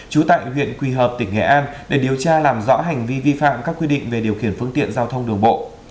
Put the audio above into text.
trú tại huyện quỳ hợp tỉnh nghệ an để điều tra làm rõ hành vi vi phạm các quy định về điều khiển phương tiện giao thông đường bộ